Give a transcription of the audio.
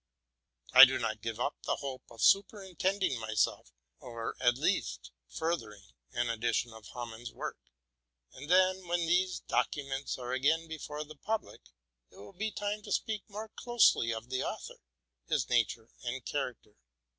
I do not give up the hope of superintending myself, or at least furthering, an edition of Hamann's works; and then, when these documents are again before the public, it will be time to speak more closely of the author, his nature and character.